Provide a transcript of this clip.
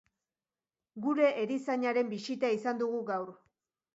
Gure erizainaren bisita izan dugu gaur.